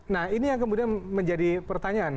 nah ini yang kemudian menjadi pertanyaan